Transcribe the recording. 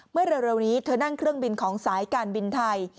เมื่อเร็วนี้เธอนั่งเครื่องบินของสายการบินไทย